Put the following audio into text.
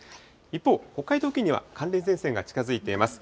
一方、北海道付近には、寒冷前線が近づいています。